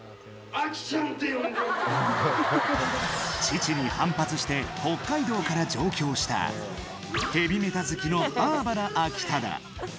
父に反発して、北海道から上京したヘビメタ好きのバーバラ・アキタダ。